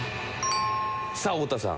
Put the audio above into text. さあ太田さん。